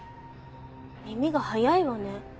耳が早いわね。